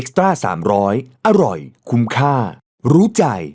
กลับมาเลย